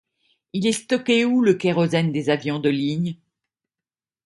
Il est stocké où le kérosène des avions de ligne ?